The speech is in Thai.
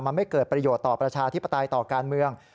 มันไม่เกิดประโยชน์ต่อประชาธิปไตยต่อการเมือง